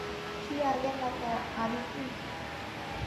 কি আগের মতো, আদিতি?